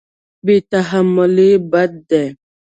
بې تحملي بد دی.